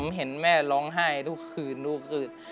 เห็นแม่ร้องไห้ทุกคืนทุกคืน